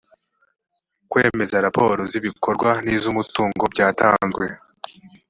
kwemeza raporo z ‘ibikorwa n ‘izumutungo byatanzwe .